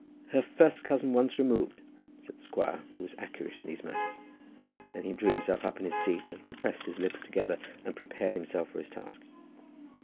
"Her first cousin once removed," said the squire, who was accurate in these matters. Then he drew himself up in his seat and compressed his lips together, and prepared himself for his task.